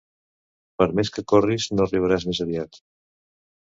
Per més que corris no arribaràs més aviat.